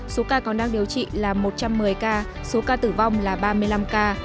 số ca còn đang điều trị là một trăm một mươi ca số ca tử vong là ba mươi năm ca